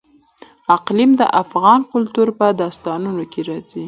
اقلیم د افغان کلتور په داستانونو کې راځي.